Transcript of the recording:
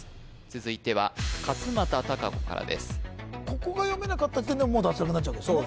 続いては勝間田貴子からですここが読めなかった時点でもう脱落になっちゃうわけですね